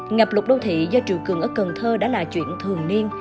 ngập lụt đô thị do triều cường ở cần thơ đã là chuyện thường niên